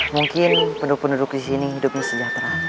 mungkin penduduk penduduk di sini hidupnya sejahtera